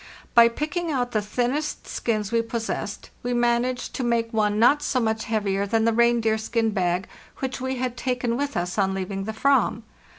By picking out the thinnest skins we possessed, we managed to make one not so much heavier than the reindeer skin bag which we had taken with us on leaving the /vam.